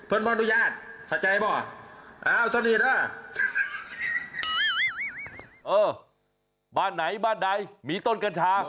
เออบ้านไหนบ้านใดมีต้นกัญชา